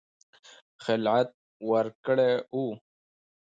خلعت ورکړی وو.